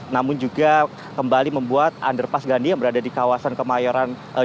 namun juga kembali membuat underpass gandhi yang berada di kawasan kemayoran